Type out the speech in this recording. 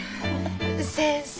先生。